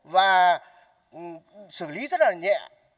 và xử lý rất là nhẹ